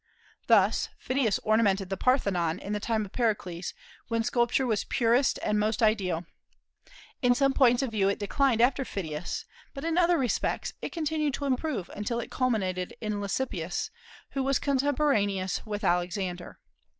Thus Phidias ornamented the Parthenon in the time of Pericles, when sculpture was purest and most ideal In some points of view it declined after Phidias, but in other respects it continued to improve until it culminated in Lysippus, who was contemporaneous with Alexander.